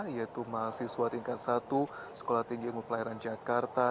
yaitu mahasiswa tingkat satu sekolah tinggi umum pelahiran jakarta